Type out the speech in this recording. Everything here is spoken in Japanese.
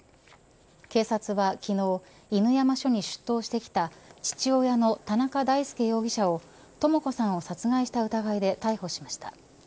警察は昨日犬山署に出頭してきた父親の田中大介容疑者を智子さんを殺害した疑いで逮捕しました。